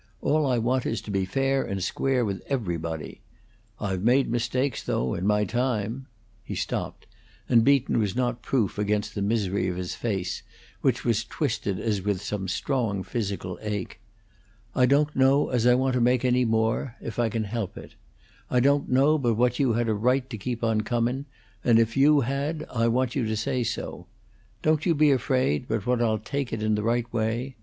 All I want is to be fair and square with everybody. I've made mistakes, though, in my time " He stopped, and Beaton was not proof against the misery of his face, which was twisted as with some strong physical ache. "I don't know as I want to make any more, if I can help it. I don't know but what you had a right to keep on comin', and if you had I want you to say so. Don't you be afraid but what I'll take it in the right way.